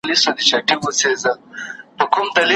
زموږ له کورونو سره نژدې